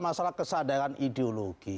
masalah kesadaran ideologi